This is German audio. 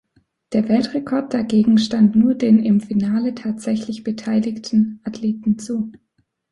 Der Weltrekord dagegen stand nur den im Finale tatsächlich beteiligten Athleten zu.